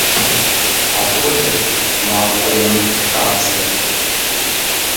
Апхуэдэт «мафӏэемыт» хабзэр.